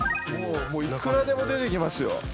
もういくらでも出てきますよ。